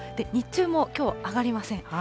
日中もきょう上がりません。